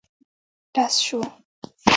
ډز شو.